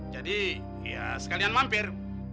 jadi ya sekalian mampir